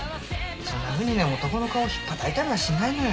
そんなふうにね男の顔を引っぱたいたりはしないのよ。